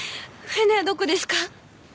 船はどこですか？